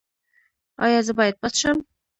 ایا زه باید پټ شم؟